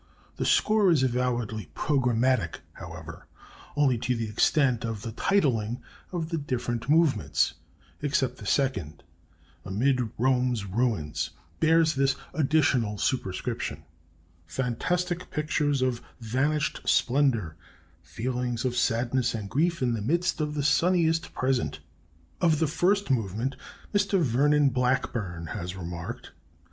The score is avowedly programmatic, however, only to the extent of the titling of the different movements, except that the second, "Amid Rome's Ruins," bears this additional superscription: "Fantastic Pictures of Vanished Splendor; Feelings of Sadness and Grief in the Midst of the Sunniest Present." Of the first movement Mr. Vernon Blackburn has remarked